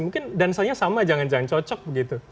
mungkin dansanya sama jangan jangan cocok begitu